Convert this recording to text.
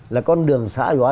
là con đường sợi hóa